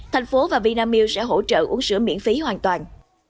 thành phố và vinamilk sẽ hỗ trợ uống sữa miễn phí hoàn toàn